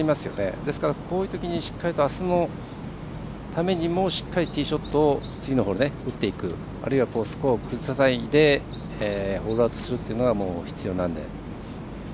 ですからこういうときにあすのためにもしっかりティーショットを次のホール打っていく、あるいはスコアを崩さないでホールアウトするというのが必要になるので。